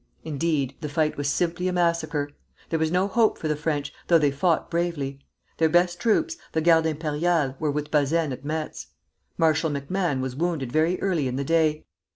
Indeed, the fight was simply a massacre. There was no hope for the French, though they fought bravely. Their best troops, the Garde Impériale, were with Bazaine at Metz. Marshal MacMahon was wounded very early in the day.